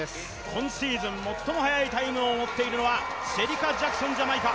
今シーズン最も速いタイムを持っているのはシェリカ・ジャクソンじゃないか。